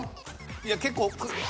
いや結構。